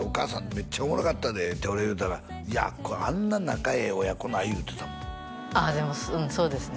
めっちゃおもろかったでって俺が言うたらいやあんな仲ええ親子ない言うてたもんああでもそうですね